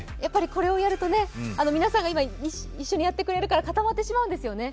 これをやると、皆さんが今一緒にやるからかたまってしまうんですよね。